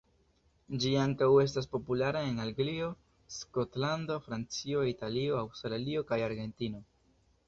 Ĝi ankaŭ estas populara en Anglio, Skotlando, Francio, Italio, Aŭstralio, kaj Argentino.